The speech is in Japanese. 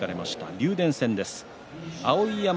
竜電戦です。